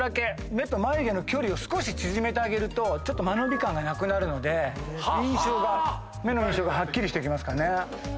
目と眉毛の距離を少し縮めると間延び感がなくなるので目の印象がはっきりしてきますかね。